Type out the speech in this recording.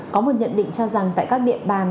có một nhận định cho rằng tại các địa bàn